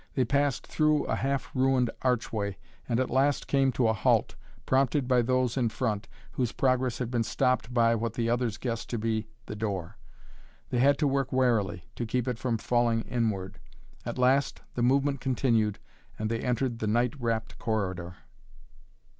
They passed through a half ruined archway and at last came to a halt, prompted by those in front, whose progress had been stopped by, what the others guessed to be, the door. They had to work warily, to keep it from falling inward. At last the movement continued and they entered the night wrapt corridor.